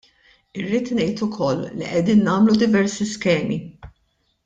Irrid ngħid ukoll li qegħdin nagħmlu diversi skemi.